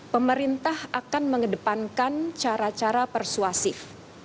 pemerintah akan mengedepankan cara cara persuasif